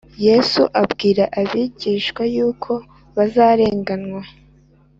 Yesu abwira abigishwa yuko bazarenganywa